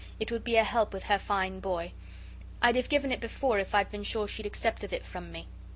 It would be a help with her fine boy. I'd have given it before if I'd been sure she'd accept of it from me.'